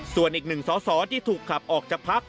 ส่วนอีกหนึ่งสอสอที่ถูกขับออกจากพัก